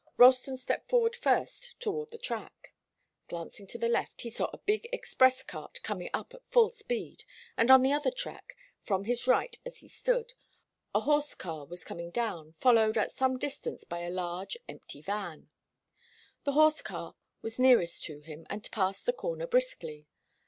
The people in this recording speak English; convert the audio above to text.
Ralston stepped forward first toward the track. Glancing to the left, he saw a big express cart coming up at full speed, and on the other track, from his right as he stood, a horse car was coming down, followed at some distance by a large, empty van. The horse car was nearest to him, and passed the corner briskly.